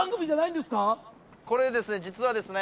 これですね実はですね